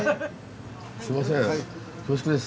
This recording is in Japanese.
すいません恐縮です。